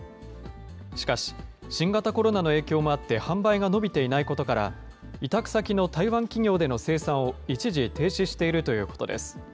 しかし、新型コロナの影響もあって、販売が伸びていないことから、委託先の台湾企業での生産を、一時停止しているということです。